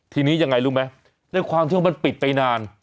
ทีนี้ยังไงรู้ไหมด้วยความที่ว่ามันปิดไปนาน